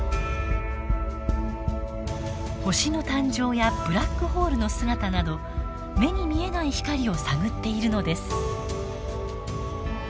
星の誕生やブラックホールの姿など目に見えない光を探っているのです。